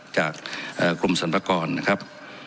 จากกรมสรรพากรนะครับ